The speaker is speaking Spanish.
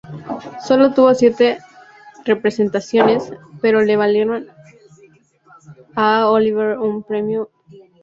Solo tuvo siete representaciones, pero le valieron a Oliver un Premio Theatre World.